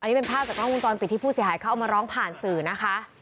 นี่เป็นภาพจากกล้องวงจรปิดที่ผู้เสียหายเขาเอามาร้องผ่านสื่อนะคะ